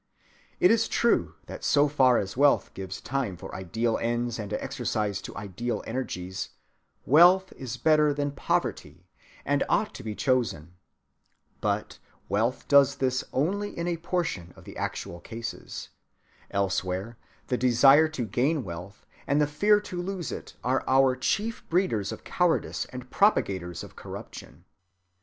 It is true that so far as wealth gives time for ideal ends and exercise to ideal energies, wealth is better than poverty and ought to be chosen. But wealth does this in only a portion of the actual cases. Elsewhere the desire to gain wealth and the fear to lose it are our chief breeders of cowardice and propagators of corruption.